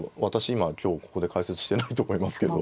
今今日ここで解説してないと思いますけど。